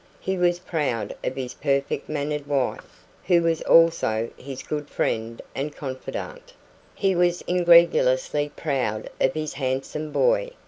He was proud of his perfect mannered wife, who was also his good friend and confidante; he was egregiously proud of his handsome boy.